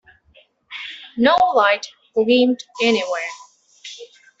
No light gleamed anywhere.